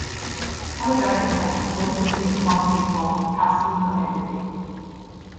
On the diagram one can see the quantity called capacity for entropy.